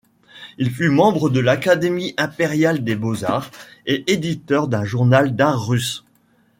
Il fut membre de l'académie impériale des beaux-arts et éditeur d'un journal d'art russe.